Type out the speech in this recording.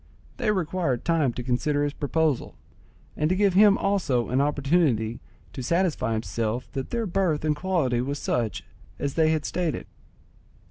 They required time to consider his proposal, and to give him also an opportunity to satisfy himself that their birth and quality was such as they had stated.